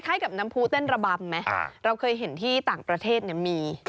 กับน้ำผู้เต้นระบำไหมเราเคยเห็นที่ต่างประเทศมี